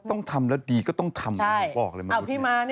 ต้องทำอะไรต้องมาปรึกษา